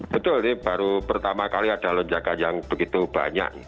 betul ini baru pertama kali ada lonjakan yang begitu banyak